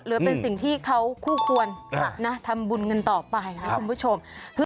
หรือเป็นสิ่งที่เขาคู่ควรทำบุญกันต่อไปนะคุณผู้ชม